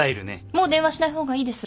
もう電話しない方がいいです。